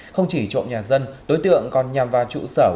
không chỉ trộm nhà dân đối tượng còn nhằm vào trụ sở